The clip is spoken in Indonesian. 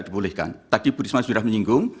dibolehkan tadi bu risma sudah menyinggung